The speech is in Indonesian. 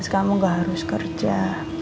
kamu gak harus kerja